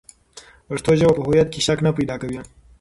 پښتو ژبه په هویت کې شک نه پیدا کوي.